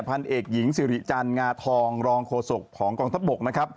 บอกว่าเมื่อวานนี้พันธุ์เอกหญิงสิริจันงาทองรองโฆษกของกองทัพบก